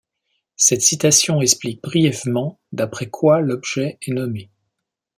Cette citation explique brièvement d'après quoi l'objet est nommé.